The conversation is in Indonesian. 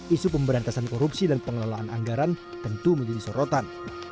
isu pemberantasan korupsi dan pengelolaan anggaran tentu menjadi sorotan